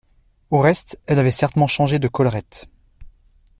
Au reste, elle avait certainement changé de collerette.